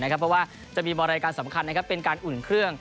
เพราะว่าจะมีรายการสำคัญเป็นการอุ่นเครื่อง